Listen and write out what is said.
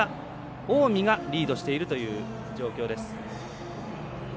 近江がリードしているという状況です。